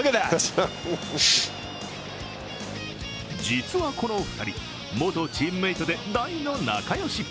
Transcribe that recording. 実はこの２人、元チームメートで大の仲良し。